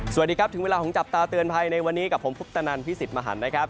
สวัสดีครับถึงเวลาของจับตาเตือนภัยในวันนี้กับผมพุทธนันพี่สิทธิ์มหันนะครับ